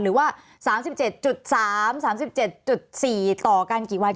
หรือว่า๓๗๓๓๗๔ต่อกันกี่วัน